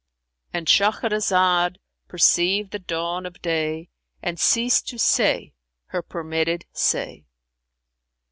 "—And Shahrazad perceived the dawn of day and ceased to say her permitted say.